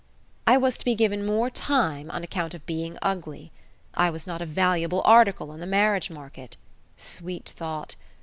I was to be given more time on account of being ugly I was not a valuable article in the marriage market, sweet thought!